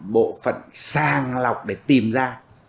bộ phận sàng lọc để tìm ra